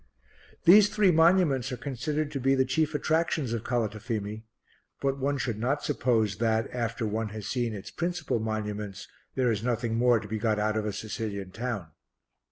These three monuments are considered to be the chief attractions of Calatafimi; but one should not suppose that, after one has seen its principal monuments, there is nothing more to be got out of a Sicilian town.